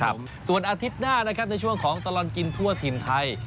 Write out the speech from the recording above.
ส่วนอาทิตย์หน้านะครับในช่วงของตลอดกินทั่วถิ่นไทย